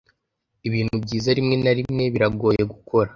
ibintu byiza rimwe na rimwe biragoye gukora